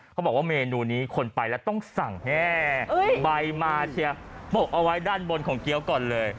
เขาบอกว่าเมนูนี้คนไปแล้วต้องสั่งใบมาเชียปกเอาไว้ด้านบนของเกี้ยวก่อนเลย